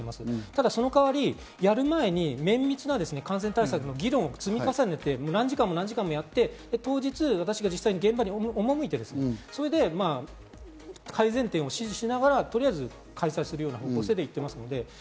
ただその代わり、やる前に綿密な感染対策の議論を積み重ねて、何時間も何時間もやって、当日、私が実際現場に赴いて、改善点を指示しながら開催する方向性で行ってます。